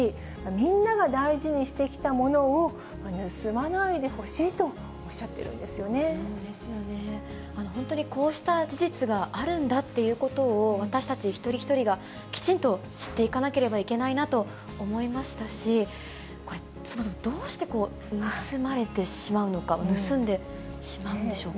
みんなが大事にしてきたものを盗まないでほしいとおっしゃってる本当にこうした事実があるんだっていうことを、私たち一人一人が、きちんと知っていかなければいけないなと思いましたし、これ、そもそもどうして盗まれてしまうのか、盗んでしまうんでしょうか。